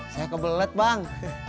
saya kebelet bang